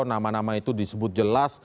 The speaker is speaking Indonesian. nama nama itu disebut jelas